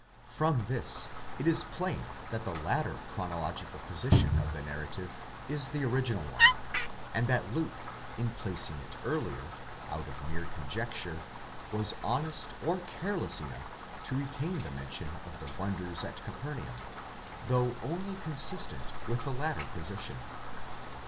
From this, it is plain that the later chronological position of the narrative is the original one, and that Luke, in placing it earlier, out of mere conjecture, was honest or careless enough to retain the mention of the wonders at Caper naum, though only consistent with the later position.?